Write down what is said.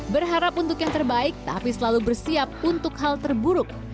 berharap untuk yang terbaik tapi selalu bersiap untuk hal terburuk